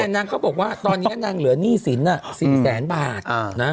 นี่ไงนางเขาบอกว่าตอนนี้นางเหลือนี่สิน๑๐แสนบาท